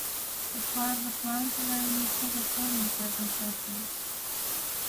As part of the plan, several new public buildings were constructed.